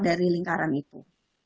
dari lingkaran itu